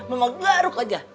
mama garuk aja